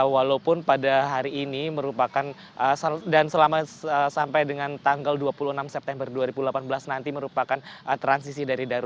walaupun pada hari ini merupakan dan selama sampai dengan tanggal dua puluh enam september dua ribu delapan belas nanti merupakan transisi